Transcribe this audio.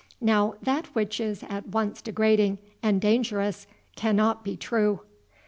Now that which is at once degrading and dangerous cannot be true."